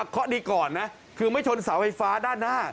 เพราะดีก่อนนะคือไม่ชนเสาไฟฟ้าด้านหน้า